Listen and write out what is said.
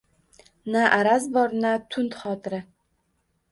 Na araz bor, na tund xotira.